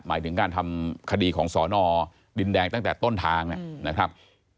หมายถึงการทำคดีของสอนอดินแดงตั้งแต่ต้นทางนะครับ